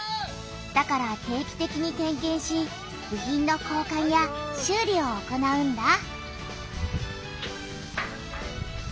だから定期てきに点けんし部品の交かんや修理を行うんだ。